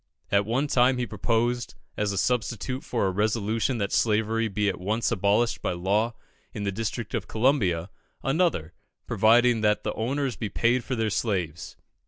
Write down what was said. At one time he proposed, as a substitute for a resolution that slavery be at once abolished by law in the district of Columbia, another, providing that the owners be paid for their slaves.